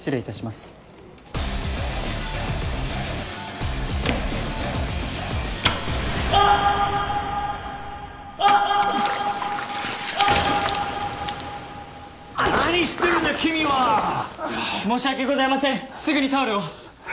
すぐにタオルを。